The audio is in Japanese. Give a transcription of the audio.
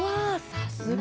さすが！